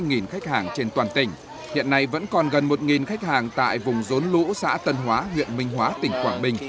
gần khách hàng trên toàn tỉnh hiện nay vẫn còn gần một khách hàng tại vùng rốn lũ xã tân hóa huyện minh hóa tỉnh quảng bình